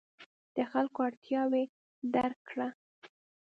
د خلکو اړتیاوې درک کړه.